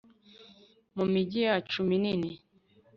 mu migi yacu minini